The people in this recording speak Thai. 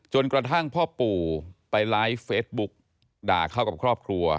กระทั่งพ่อปู่ไปไลฟ์เฟซบุ๊กด่าเข้ากับครอบครัว